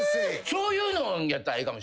そういうのやったらええかも。